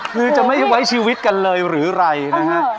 คือจะไม่ไว้ชีวิตกันเลยหรือไรนะฮะ